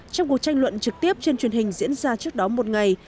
trong cuộc tranh luận trực tiếp trên truyền hình diễn ra trước đó một ngày